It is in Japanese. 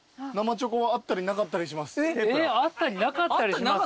えっ「あったりなかったりします」？